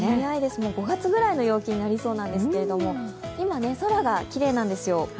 もう５月ぐらいの陽気になりそうなんですけど今、空がきれいなんですよ。